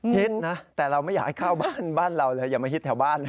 ฮิตนะแต่เราไม่อยากให้เข้าบ้านบ้านเราเลยอย่ามาฮิตแถวบ้านเลย